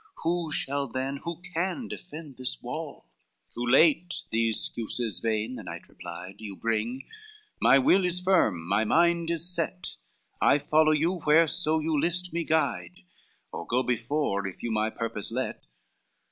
who shall then, who can, defend this wall!" IX "Too late these 'scuses vain," the knight replied, "You bring; my will is firm, my mind is set, I follow you whereso you list me guide, Or go before if you my purpose let."